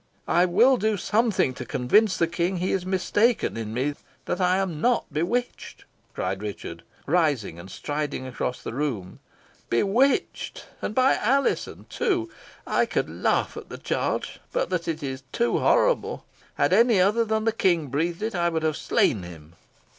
"I will do something to convince the King he is mistaken in me that I am not bewitched," cried Richard, rising and striding across the room. "Bewitched! and by Alizon, too! I could laugh at the charge, but that it is too horrible. Had any other than the King breathed it, I would have slain him."